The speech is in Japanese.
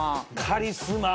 カリスマ。